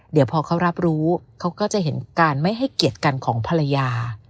เดี๋ยวพอเขารับรู้เขาก็จะเห็นการไม่ให้เกียรติกันของภรรยา